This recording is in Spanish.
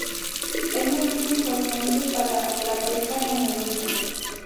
Es un sitio importantes para la pesca en el río.